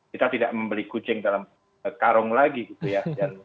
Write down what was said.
kita tidak membeli kucing dalam karung lagi gitu ya